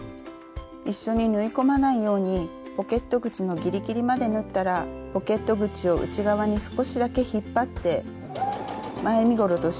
一緒に縫い込まないようにポケット口のギリギリまで縫ったらポケット口を内側に少しだけ引っ張って前身ごろと後ろ身ごろだけを縫うようにしましょう。